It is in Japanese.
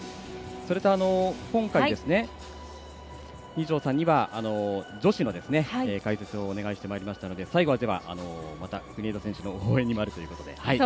それと今回、二條さんには女子の解説をお願いしてまいりましたので最後は、また国枝選手に応援に回るということで。